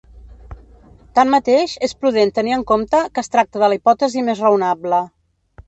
Tanmateix, és prudent tenir en compte que es tracta de la hipòtesi més raonable.